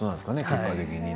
結果的に。